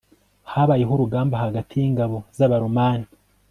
habayeho urugamba hagati y ingabo z' abaromani